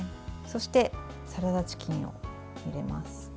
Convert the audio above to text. そして、サラダチキンを入れます。